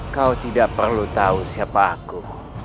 kau tidak perlu tahu siapa aku